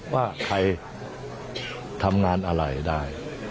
ว่าใครทำงานอะไรได้